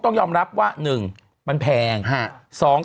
ต้องยอมรับว่า๑มันแพง